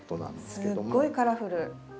すごいカラフル！